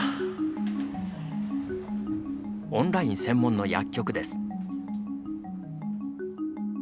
オンライン専門の薬局です。